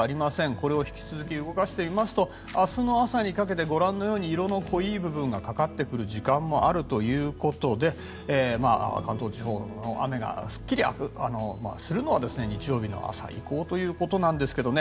これを引き続き動かしていきますと明日の朝にかけて色の濃い部分がかかってくる時間もあるということで関東地方の雨がスッキリするのは日曜日の朝以降となんですけどね